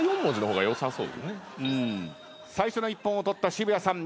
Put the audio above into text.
最初の一本を取った渋谷さん